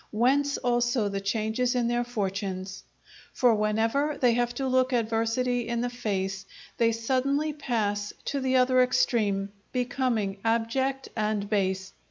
Whence also the changes in their fortunes. For whenever they have to look adversity in the face, they suddenly pass to the other extreme, becoming abject and base.